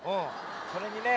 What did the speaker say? それにね